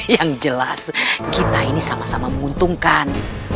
yang jelas kita ini sama sama menguntungkan